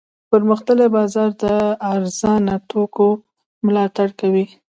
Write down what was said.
پرمختللی بازار د ارزانه توکو ملاتړ کوي.